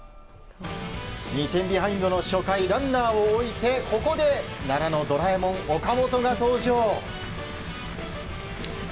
２点ビハインドの初回ランナーを置いてここで奈良のドラえもん岡本が登場。